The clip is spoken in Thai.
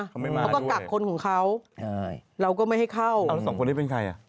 เขาก็กับคนของเขาเราก็ไม่ให้เข้าแล้วสองคนนี้เป็นใคร